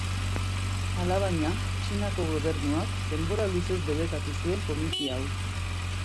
Alabaina, Txinako gobernuak denbora luzez debekatu zuen komiki hau.